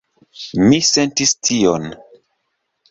Mi sentis tion.